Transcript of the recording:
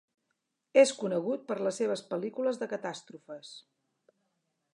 És conegut per les seves pel·lícules de catàstrofes.